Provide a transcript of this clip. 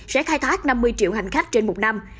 sẽ khai thác năm mươi triệu hành khách trên một năm